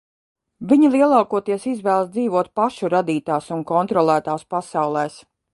Viņi lielākoties izvēlas dzīvot pašu radītās un kontrolētās pasaulēs.